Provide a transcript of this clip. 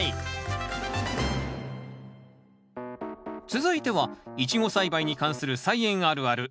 続いてはイチゴ栽培に関する「菜園あるある」。